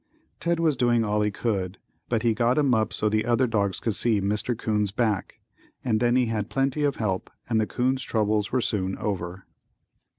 Ted was doing all he could, but he got him up so the other dogs could see Mr. 'Coon's back and then he had plenty of help and the 'coon's troubles were soon over.